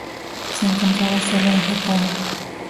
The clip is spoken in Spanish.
Se encontraba sólo en Japón.